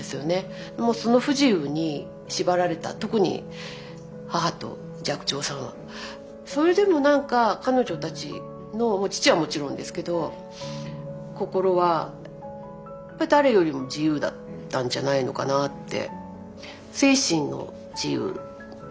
でもその不自由に縛られた特に母と寂聴さんはそれでも何か彼女たちの父はもちろんですけど心はやっぱり誰よりも自由だったんじゃないのかなって。